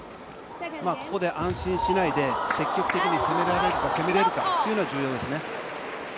ここで安心しないで積極的に攻められるかが重要ですね。